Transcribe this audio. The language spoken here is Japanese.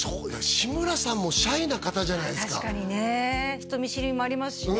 志村さんもシャイな方じゃないですか確かにね人見知りもありますしね